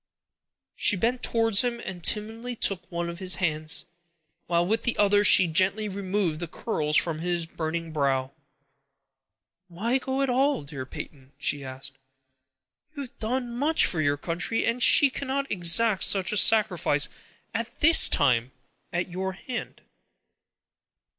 She bent towards him and timidly took one of his hands, while with the other she gently removed the curls from his burning brow. "Why go at all, dear Peyton?" she asked. "You have done much for your country, and she cannot exact such a sacrifice as this at your hand."